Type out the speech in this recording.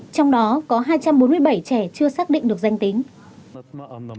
trong đó có hai trăm bốn mươi bảy trẻ chưa xác định được danh tính